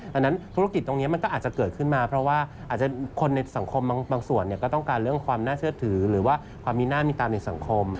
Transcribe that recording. ดังนั้นธุรกิจตรงนี้มันก็อาจจะเกิดขึ้นมาเพราะว่าอาจจะคนในสังคมบางส่วนก็ต้องการเรื่องความน่าเชื่อถือหรือว่าความมีหน้ามีตามในสังคม